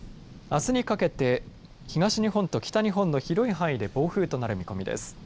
あすにかけて東日本と北日本の広い範囲で暴風となる見込みです。